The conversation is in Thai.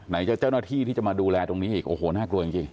จะเจ้าหน้าที่ที่จะมาดูแลตรงนี้อีกโอ้โหน่ากลัวจริง